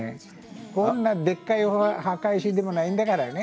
こんなでっかい墓石でもないんだからね。